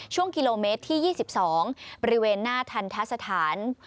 ช่วงกิโลเมตรที่๒๒บริเวณหน้าทันทะสถาน